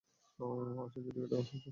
আচ্ছা, এদিকে তাকান একটু।